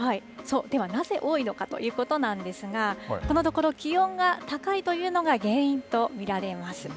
ではなぜ多いのかということなんですが、このところ、気温が高いというのが原因と見られます。